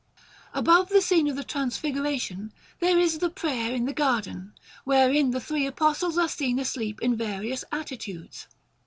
Above the scene of the Transfiguration there is the Prayer in the Garden, wherein the three Apostles are seen asleep in various attitudes.